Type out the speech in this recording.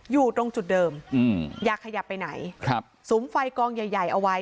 อยู่ตรงจุดเดิมยาขยับไปไหนสูมไฟกองใหญ่เอาไว้